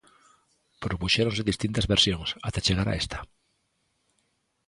Propuxéronse distintas versións até chegar a esta.